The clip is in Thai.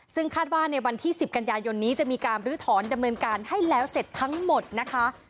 ซึ่งคาดว่าในวันที่๑๐กันยายนนี้จะมีการบรื้อถอนดำเนินการให้แล้วเสร็จทั้งหมดนะคะ